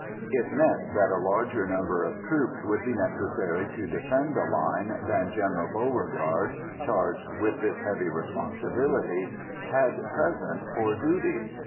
It meant that a larger number of troops would be necessary to defend the line than General Beauregard, charged with this heavy responsibility, had present for duty.